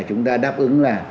chúng ta đáp ứng là